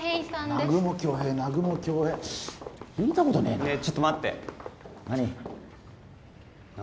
南雲恭平聞いたことねえなねえちょっと待って何？